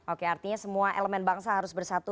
oke artinya semua elemen bangsa harus bersatu